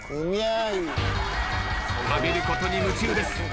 食べることに夢中です。